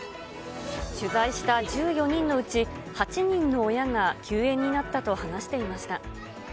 取材した１４人のうち、８人の親が休園になったと話していました。